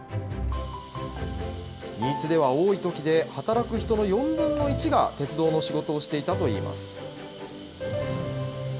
新津では多いときで、働く人の４分の１が鉄道の仕事をしていたといいます。